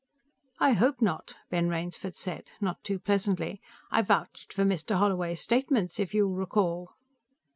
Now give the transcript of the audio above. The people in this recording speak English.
"I hope not," Ben Rainsford said, not too pleasantly. "I vouched for Mr. Holloway's statements, if you'll recall."